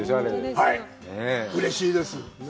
うれしいです。